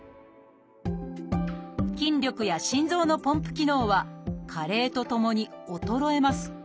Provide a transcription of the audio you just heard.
筋力や心臓のポンプ機能は加齢とともに衰えます。